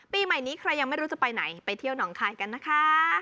ปีใหม่นี้ใครยังไม่รู้จะไปไหนไปเที่ยวหนองคายกันนะคะ